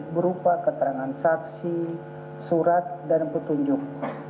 berupa keterangan saksi surat dan petunjuk